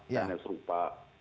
dan yang serupa